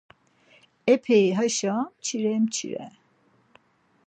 Epey haşo mçire mçire.